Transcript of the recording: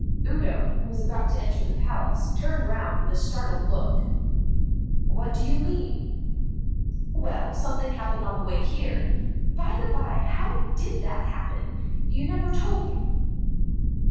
Udo, who was about to enter the Palace, turned round with a startled look. "What do you mean?" "Well, something happened on the way here. By the by, how did that happen? You never told me."